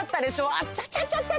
あちゃちゃちゃちゃ。